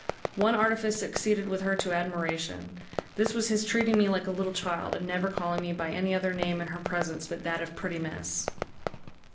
One artifice succeeded with her to admiration. This was his treating me like a little child, and never calling me by any other name in her presence but that of pretty miss.